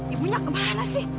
ibunya kemana sih